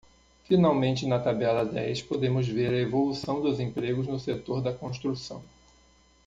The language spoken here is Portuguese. Finalmente, na tabela dez, podemos ver a evolução dos empregos no setor da construção.